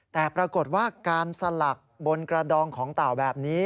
แต่ปรากฏว่าการสลักบนกระดองของเต่าแบบนี้